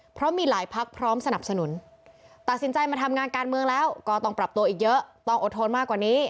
เพราะมีหลายพักพร้อมสนับสนุนตัดสินใจมาทำงานการเมืองแล้วก็ต้องปรับตัวอีกเยอะต้องอดทนมากกว่านี้